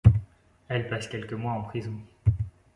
Elle passe quelques mois en prison.